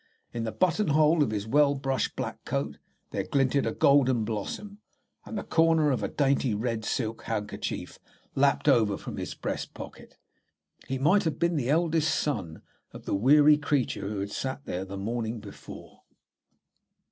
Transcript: In the button hole of his well brushed black coat there glinted a golden blossom, and the corner of a dainty red silk handkerchief lapped over from his breast pocket. He might have been the eldest son of the weary creature who had sat there the morning before.